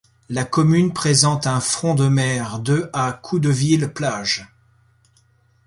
La commune présente un front de mer de à Coudeville-Plage.